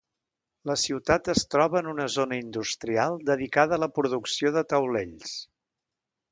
La ciutat es troba en una zona industrial dedicada a la producció de taulells.